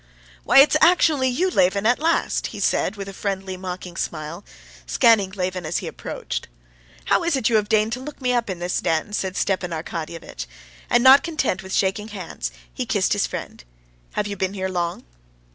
"Why, it's actually you, Levin, at last!" he said with a friendly mocking smile, scanning Levin as he approached. "How is it you have deigned to look me up in this den?" said Stepan Arkadyevitch, and not content with shaking hands, he kissed his friend. "Have you been here long?"